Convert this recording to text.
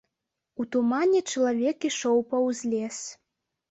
У тумане чалавек ішоў паўз лес.